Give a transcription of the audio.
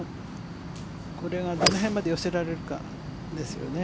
これがどの辺まで寄せられるかですよね。